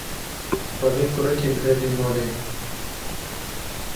Xwedê kurikê bide vê malê.